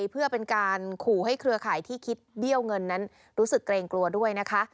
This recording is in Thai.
เพื่อเป็นการขู่ให้เครือข่ายที่คิดเบี้ยวเงินนั้นรู้สึกเกรงกลัวด้วยนะคะ